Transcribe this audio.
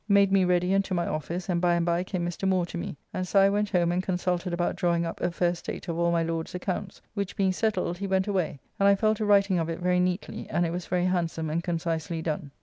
Made me ready and to my office, and by and by came Mr. Moore to me, and so I went home and consulted about drawing up a fair state of all my Lord's accounts, which being settled, he went away, and I fell to writing of it very neatly, and it was very handsome and concisely done.